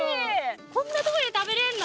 こんなとこで食べれんの？